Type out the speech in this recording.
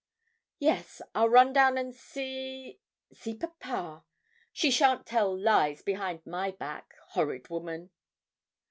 'Yes, I'll run down and see see papa; she shan't tell lies behind my back, horrid woman!'